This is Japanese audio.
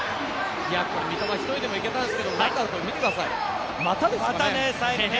三笘１人でもいけたんですけど、見てください、股ですからね。